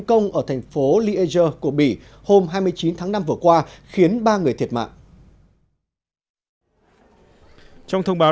công ở thành phố leezure của bỉ hôm hai mươi chín tháng năm vừa qua khiến ba người thiệt mạng trong thông báo